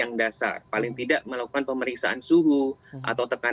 dan juga sebetulnya kita harus melakukan screening vaksinasi yang harusnya ditaati secara bersama